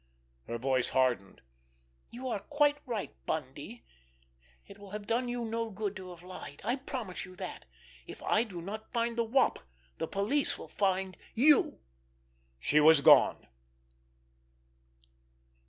Her voice hardened. "You are quite right, Bundy, it will have done you no good to have lied. I promise you that! If I do not find the Wop, the police will find—you!" She was gone.